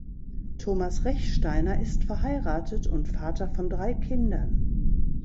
Thomas Rechsteiner ist verheiratet und Vater von drei Kindern.